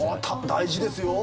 大事ですよ。